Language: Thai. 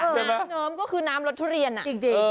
น้ำเนิมก็คือน้ำรสทุเรียนจริง